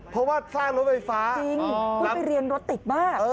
เพราะว่าสร้างรถไฟฟ้าจริงเพิ่งไปเรียนรถติดมาก